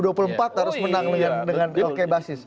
dua puluh empat harus menang dengan oke basis